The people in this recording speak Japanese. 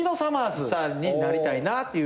さんになりたいなっていう。